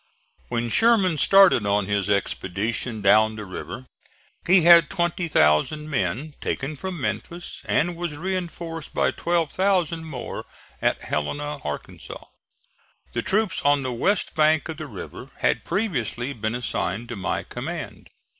When Sherman started on his expedition down the river he had 20,000 men, taken from Memphis, and was reinforced by 12,000 more at Helena, Arkansas. The troops on the west bank of the river had previously been assigned to my command.